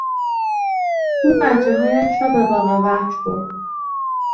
او بچههایش را به باغوحش برد.